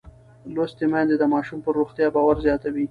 لوستې میندې د ماشوم پر روغتیا باور زیاتوي.